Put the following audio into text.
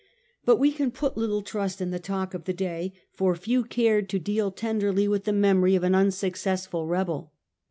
But we can put little trust in the talk of the day, for few cared to deal tenderly with the memory of an unsuccessful rebel.